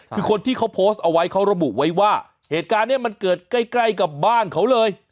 คือคนที่เขาโพสต์เอาไว้เขาระบุไว้ว่าเหตุการณ์นี้มันเกิดใกล้ใกล้กับบ้านเขาเลย